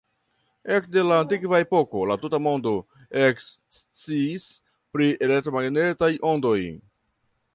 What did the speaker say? Ekde la antikva epoko, la tuta mondo eksciis pri elektromagnetaj ondoj.